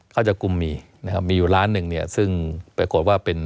เข้าจับกลุ่มมีนะครับมีอยู่ล้านหนึ่งเนี่ยซึ่งปรากฏว่าเป็น